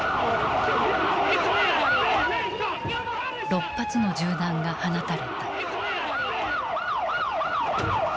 ６発の銃弾が放たれた。